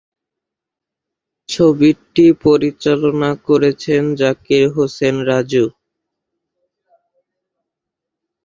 ছবিটি পরিচালনা করেছেন জাকির হোসেন রাজু।